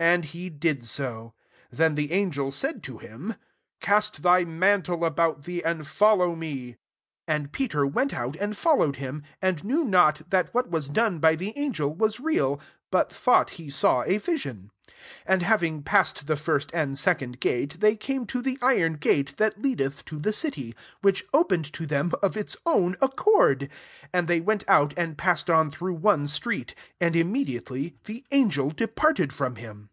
And he did so. Then the angtl said to him, <' Cast thy mantle about thee, and fol low me." 9 And Peter vent out, and followed him ; and knew not, that what was done by the angel was real, bat thought he saw a vision. 10 And having past the first and second guard, they came to the iron gate that leadeth to the city ; which opened to them of its own accord : and they went out, and passed on through one street; and immediately the angel departed from him.